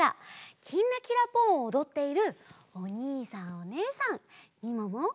「きんらきらぽん」をおどっているおにいさんおねえさんみももやころ